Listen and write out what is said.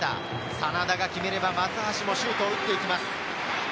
真田が決めれば松橋もシュートを打っていきます。